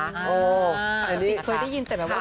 อันนี้เคยได้ยินเสร็จแบบว่า